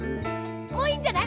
もういいんじゃない？